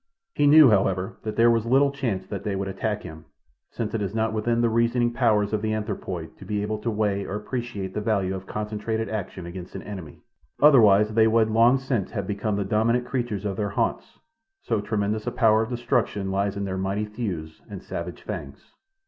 He knew, however, that there was little chance that they would attack him, since it is not within the reasoning powers of the anthropoid to be able to weigh or appreciate the value of concentrated action against an enemy—otherwise they would long since have become the dominant creatures of their haunts, so tremendous a power of destruction lies in their mighty thews and savage fangs.